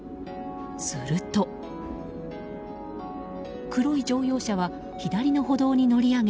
すると、黒い乗用車は左の歩道に乗り上げ